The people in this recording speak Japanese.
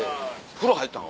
風呂入ったん？